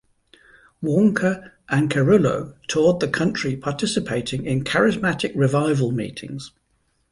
Warnke and Cerullo toured the country participating in charismatic revival meetings.